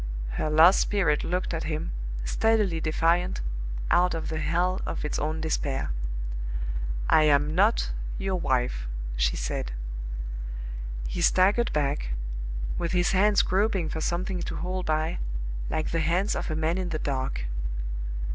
Her lost spirit looked at him, steadily defiant, out of the hell of its own despair. "I am not your wife," she said. He staggered back, with his hands groping for something to hold by, like the hands of a man in the dark.